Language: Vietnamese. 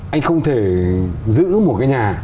anh không thể giữ một cái nhà